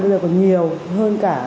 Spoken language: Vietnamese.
bây giờ còn nhiều hơn cả